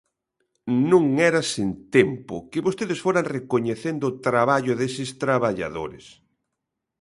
Non era sen tempo que vostedes foran recoñecendo o traballo deses traballadores.